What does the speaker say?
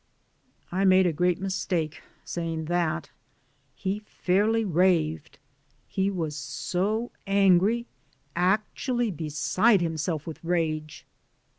I made a great mistake saying that, he fairly raved ; he was so angry, actually be side himself with rage.